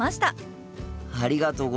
ありがとうございます！